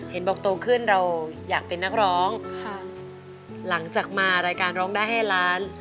เห็นบอกโตขึ้นเราอยากเป็นนักร้องค่ะหลังจากมารายการร้องได้ให้ล้าน